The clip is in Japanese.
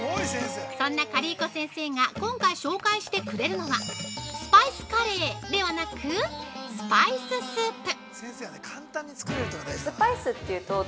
そんなカリー子先生が今回紹介してくれるのは、スパイスカレーではなく「スパイススープ」。